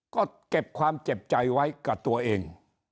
ก็เก็บความเจ็บใจไว้กับตัวเอง